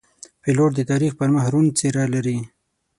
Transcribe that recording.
پیلوټ د تاریخ پر مخ روڼ څېره لري.